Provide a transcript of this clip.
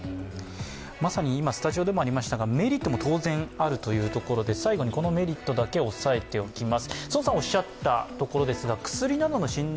まさに今、スタジオでもありましたが、メリットも当然あるというところで最後にこのメリットだけ押さえておきます。